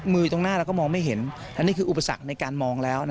ตรงหน้าเราก็มองไม่เห็นอันนี้คืออุปสรรคในการมองแล้ว